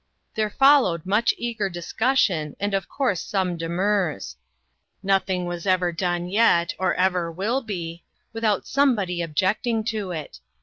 There followed much eager discussion and of course some demurs. Nothing ever was done yet, or ever will be, without somebody objecting to it.